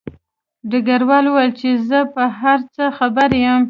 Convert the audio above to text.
ډګروال وویل چې زه په هر څه خبر یم